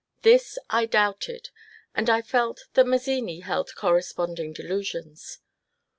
This I doubted, and I felt that Mazzini held corresponding delusions.